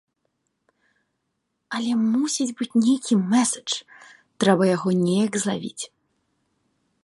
Але мусіць быць нейкі мэсэдж, трэба яго неяк злавіць.